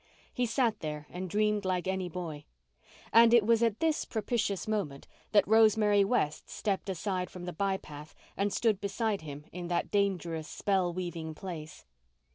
He sat there and dreamed like any boy. And it was at this propitious moment that Rosemary West stepped aside from the by path and stood beside him in that dangerous, spell weaving place.